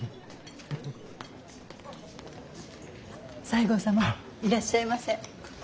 西郷様いらっしゃいませ。